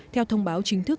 theo thông báo chính thức